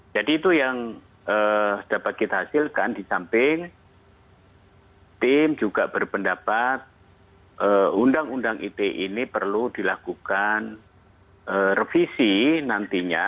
itu yang dapat kita hasilkan di samping tim juga berpendapat undang undang ite ini perlu dilakukan revisi nantinya